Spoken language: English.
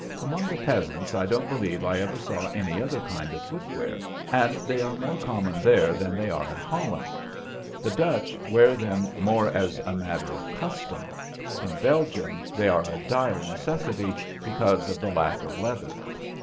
Among the peasants I don't believe I ever saw any other kind of footwear, and they are more common there than they are in Holland. The Dutch wear them more as a matter of custom. In Belgium they are a dire necessity because of the lack of leather.